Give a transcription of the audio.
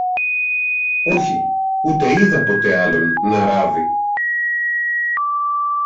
Όχι, ούτε είδα ποτέ άλλον να ράβει.